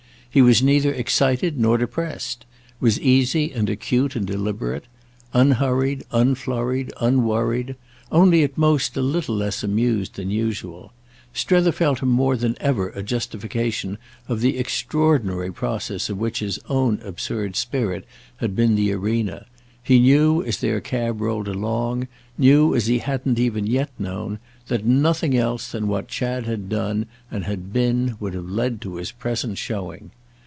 He was neither excited nor depressed; was easy and acute and deliberate—unhurried unflurried unworried, only at most a little less amused than usual. Strether felt him more than ever a justification of the extraordinary process of which his own absurd spirit had been the arena; he knew as their cab rolled along, knew as he hadn't even yet known, that nothing else than what Chad had done and had been would have led to his present showing.